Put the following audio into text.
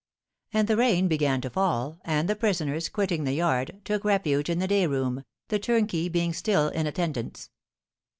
And the rain began to fall, and the prisoners, quitting the yard, took refuge in the day room, the turnkey being still in attendance.